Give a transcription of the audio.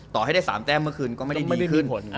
ต่อให้ได้๓แต้มเมื่อคืนก็ไม่ได้ดีขึ้น